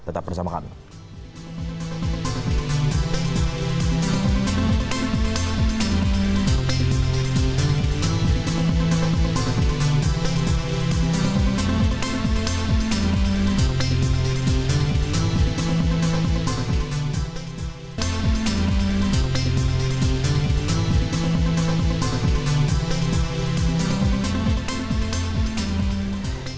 tetap bersama kami